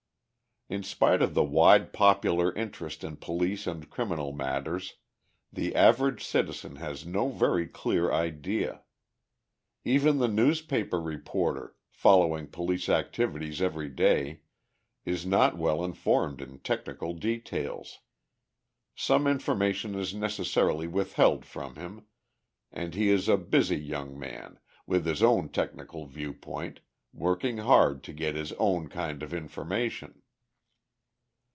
In spite of the wide popular interest in police and criminal matters, the average citizen has no very clear idea. Even the newspaper reporter, following police activities every day, is not well informed in technical details. Some information is necessarily withheld from him, and he is a busy young man, with his own technical viewpoint, working hard to get his own kind of information.